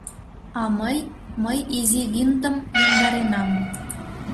— А мый, мый изи винтым йомдаренам...